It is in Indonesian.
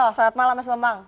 selamat malam mas bambang